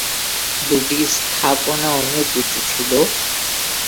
দুটি স্থাপনা অনেক উঁচু ছিল।